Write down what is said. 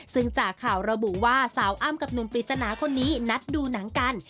ซึ่งจากข่าวระบุว่าสาวอ้ำกับหนุ่มปริศนาคนนี้นัดดูหนังกัน